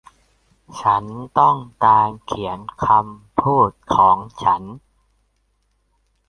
ฉันต้องการเขียนคำพูดของฉัน